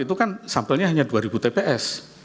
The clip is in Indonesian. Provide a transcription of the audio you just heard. itu kan sampelnya hanya dua ribu tps